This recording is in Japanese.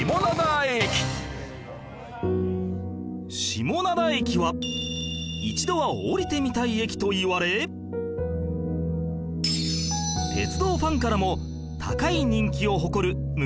下灘駅は「一度は降りてみたい駅」といわれ鉄道ファンからも高い人気を誇る無人駅